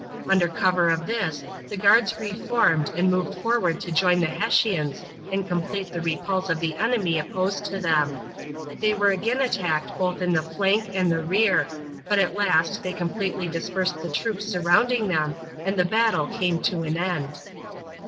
Under cover of this the guards re formed and moved forward to join the Hessians and complete the repulse of the enemy opposed to them. They were again attacked both in the flank and the rear, but at last they completely dispersed the troops surrounding them and the battle came to an end.